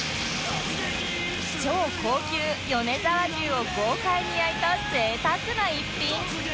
超高級米沢牛を豪快に焼いた贅沢な一品